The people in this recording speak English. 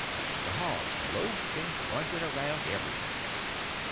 The hogs loafed and grunted around everywheres.